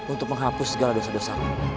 untuk menghapus segala dosa dosa